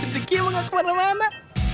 jeknya mau gak kemana mana